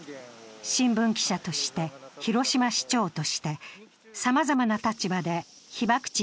新聞記者として広島市長としてさまざまな立場で被爆地